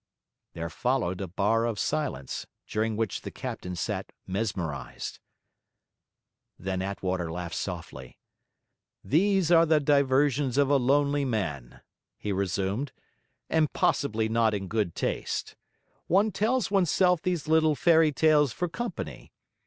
There followed a bar of silence, during which the captain sat mesmerised. Then Attwater laughed softly. 'These are the diversions of a lonely, man,' he resumed, 'and possibly not in good taste. One tells oneself these little fairy tales for company.